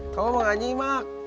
kamu mah gak nyima